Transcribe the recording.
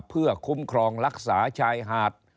เพื่อคุ้มครองรักษาชายหาด